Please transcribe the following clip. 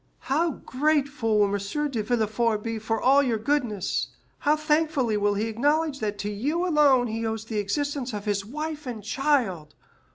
"How grateful will M. de Villefort be for all your goodness; how thankfully will he acknowledge that to you alone he owes the existence of his wife and child!